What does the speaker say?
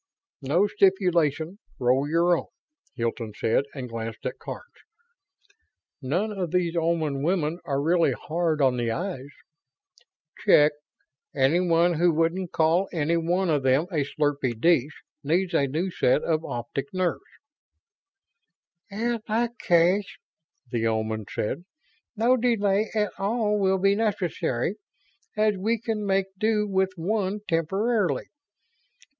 "No stipulation; roll your own," Hilton said, and glanced at Karns. "None of these Oman women are really hard on the eyes." "Check. Anybody who wouldn't call any one of 'em a slurpy dish needs a new set of optic nerves." "In that case," the Omans said, "no delay at all will be necessary, as we can make do with one temporarily.